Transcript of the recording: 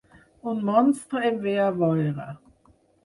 Un monstre em ve a veure.